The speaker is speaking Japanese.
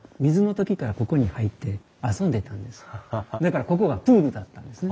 だからここはプールだったんですね。